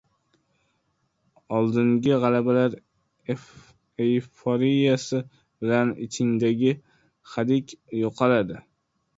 Oldingi gʻalabalar eyforiyasi bilan ichingdagi xadik yoʻqoladi.